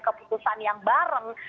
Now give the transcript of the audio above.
keputusan yang bareng